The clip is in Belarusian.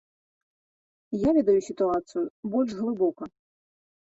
Я ведаю сітуацыю больш глыбока.